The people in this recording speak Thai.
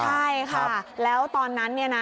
ใช่ค่ะแล้วตอนนั้นเนี่ยนะ